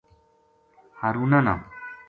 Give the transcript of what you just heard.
ہارونا نا